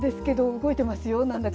動いてますよ。